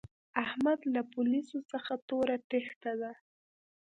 احمد له پوليسو څخه توره تېښته ده.